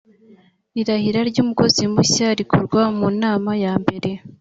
irahira ryumukozi mushya rikorwa mu nama ya mbere